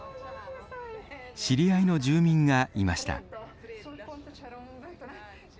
知り合いの住民がいました。